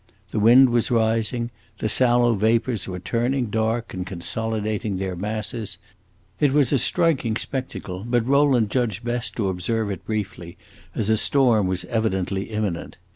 The wind was rising; the sallow vapors were turning dark and consolidating their masses. It was a striking spectacle, but Rowland judged best to observe it briefly, as a storm was evidently imminent.